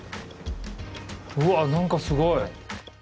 うわっ何かすごい。